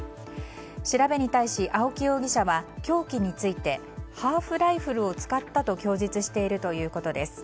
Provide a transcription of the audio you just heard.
調べに対し青木容疑者は凶器についてハーフライフルを使ったと供述しているということです。